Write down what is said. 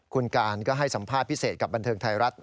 คุณการก็ให้สัมภาษณ์พิเศษกับบันเทิงไทยรัฐ